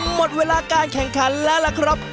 หมดเวลาการแข่งขันแล้วล่ะครับ